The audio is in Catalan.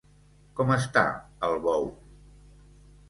Com està el bou?